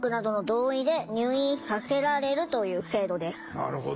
なるほど。